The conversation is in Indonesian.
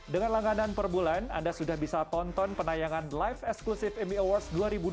dengan langganan per bulan anda sudah bisa tonton penayangan live eksklusive amy awards dua ribu dua puluh